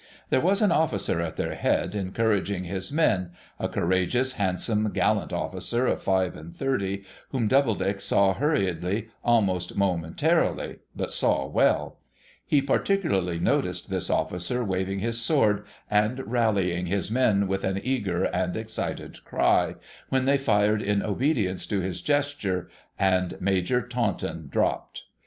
There was an officer at their head, encouraging his men, —a courageous, handsome, gallant officer of five and thirty, whom Doubledick saw hurriedly, almost momentarily, but saw well. He particularly noticed this officer waving his sword, and rallying his men with an eager and excited cry, when they fired in obedience to his gesture, and Major Taunton dropped.